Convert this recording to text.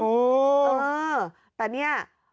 โอ้โฮเออแต่นี่